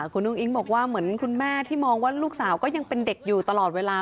คุณอุ้งอิ๊งบอกว่าเหมือนคุณแม่ที่มองว่าลูกสาวก็ยังเป็นเด็กอยู่ตลอดเวลา